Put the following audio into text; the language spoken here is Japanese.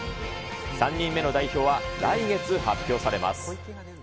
３人目の代表は来月発表されます。